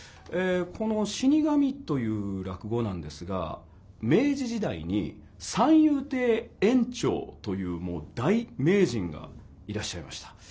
この「死神」という落語なんですが明治時代に三遊亭圓朝というもう大名人がいらっしゃいました。